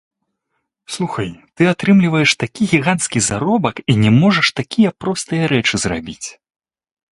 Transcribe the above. Слухай, ты атрымліваеш такі гіганцкі заробак і не можаш такія простыя рэчы зрабіць!